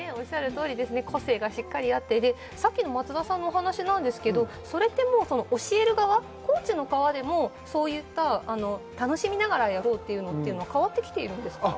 個性がしっかりあって、松田さんのお話ですが、教える側、コーチ側でもそういった楽しみながらやろうというのに変わってきているんですか？